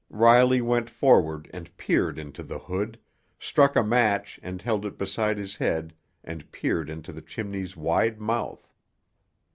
Riley went forward and peered into the hood—struck a match and held it beside his head and peered into the chimney's wide mouth.